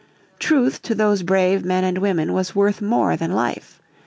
Truth to those brave men and women was worth more than life.